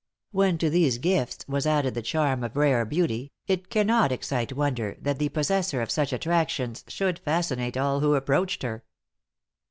When to these gifts was added the charm of rare beauty, it cannot excite wonder that the possessor of such attractions should fascinate all who approached her.